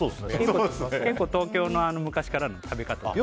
結構、東京の昔からの食べ方で。